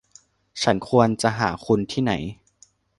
ฉันควรจะหาคุณที่ไหน